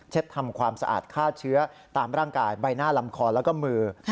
ทำความสะอาดฆ่าเชื้อตามร่างกายใบหน้าลำคอแล้วก็มือ